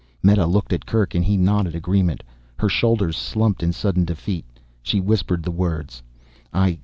Meta looked at Kerk and he nodded agreement. Her shoulders slumped in sudden defeat. She whispered the words. "I